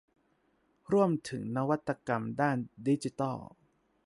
ร่วมถึงนวัตกรรมด้านดิจิทัล